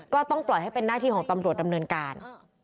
ก็ต้องปล่อยให้เป็นหน้าที่ของตำรวจดำเนินการ